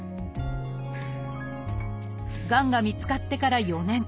がんが見つかってから４年。